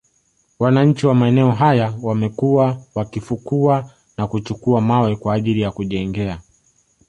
Wananchi wa maeneo haya wamekuwa wakifukua na kuchukua mawe kwa ajili ya kujengea